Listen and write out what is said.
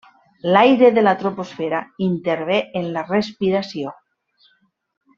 L'aire de la troposfera intervé en la respiració.